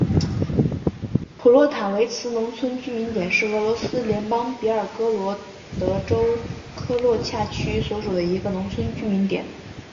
普洛塔韦茨农村居民点是俄罗斯联邦别尔哥罗德州科罗恰区所属的一个农村居民点。